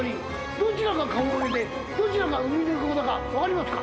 どちらがカモメでどちらがウミネコだか分かりますか？